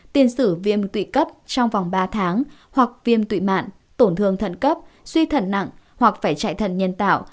tiên sử viêm tụy cấp trong vòng ba tháng hoặc viêm tụy mạn tổn thương thận cấp suy thận nặng hoặc phải chạy thận nhân tạo